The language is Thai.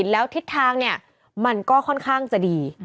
แล้วทิศทางเนี่ยมันก็ค่อนข้างจะดี